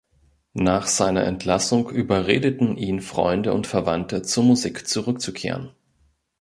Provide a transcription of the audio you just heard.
Nach seiner Entlassung überredeten ihn Freunde und Verwandte, zur Musik zurückzukehren.